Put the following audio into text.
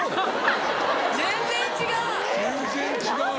・全然違う！